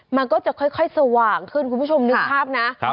มันก็จะค่อยสว่างขึ้นคุณผู้ชมนึกภาพนะ